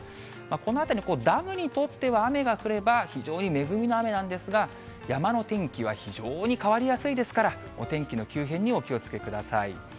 この辺りのダムにとっては、雨が降れば非常に恵みの雨なんですが、山の天気は非常に変わりやすいですから、お天気の急変にお気をつけください。